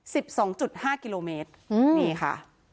สิบสองจุดห้ากิโลเมตรอืมนี่ค่ะ